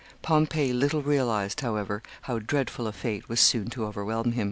Pompey little realized, however, how dreadful a fate was soon to overwhelm him.